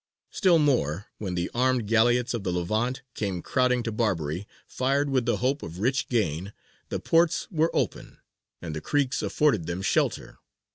Still more, when the armed galleots of the Levant came crowding to Barbary, fired with the hope of rich gain, the ports were open, and the creeks afforded them shelter.